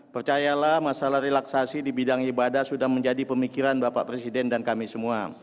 percayalah masalah relaksasi di bidang ibadah sudah menjadi pemikiran bapak presiden dan kami semua